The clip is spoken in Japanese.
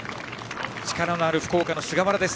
力のある福岡の菅原です。